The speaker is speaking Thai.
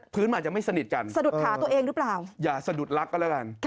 ผืนมันอาจจะไม่สนิทกัน